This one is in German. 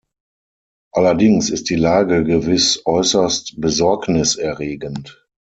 Allerdings ist die Lage gewiss äußerst besorgniserregend.